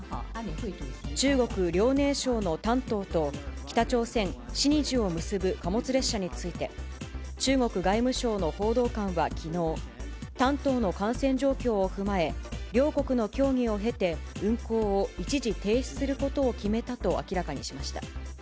中国・遼寧省の丹東と、北朝鮮・シニジュを結ぶ貨物列車について、中国外務省の報道官はきのう、丹東の感染状況を踏まえ、両国の協議を経て運行を一時停止することを決めたと明らかにしました。